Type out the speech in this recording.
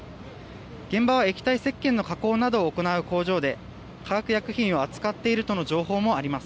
現場は液体せっけんの加工などを行う工場で化学薬品を扱っているとの情報もあります。